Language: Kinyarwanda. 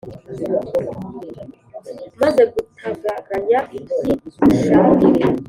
Maze gutagaranya iby'i Bushagire